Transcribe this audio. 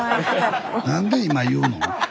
なんで今言うの？